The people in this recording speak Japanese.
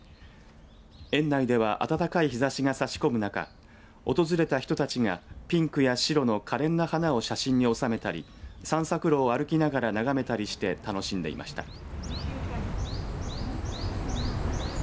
園内では暖かい日ざしがさし込む中訪れた人たちがピンクや白のかれんな花を写真に収めたり散策路を歩きながら眺めたりして楽しんでいました。